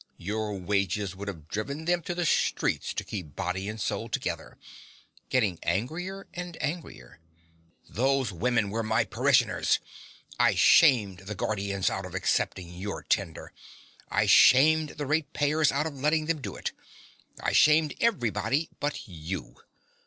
Your wages would have driven them to the streets to keep body and soul together. (Getting angrier and angrier.) Those women were my parishioners. I shamed the Guardians out of accepting your tender: I shamed the ratepayers out of letting them do it: I shamed everybody but you.